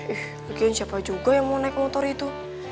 ih bagian siapa juga yang mau naik motor itu